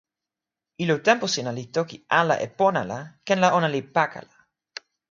ilo tenpo sina li toki ala e pona la ken la ona li pakala.